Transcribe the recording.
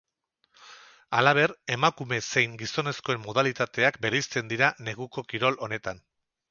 Halaber, emakume zein gizonezkoen modalitateak bereizten dira neguko kirol honetan.